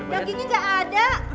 dagingnya gak ada